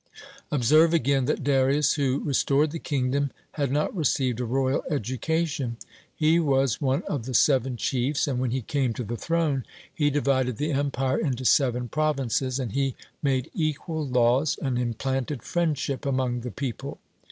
Observe, again, that Darius, who restored the kingdom, had not received a royal education. He was one of the seven chiefs, and when he came to the throne he divided the empire into seven provinces; and he made equal laws, and implanted friendship among the people.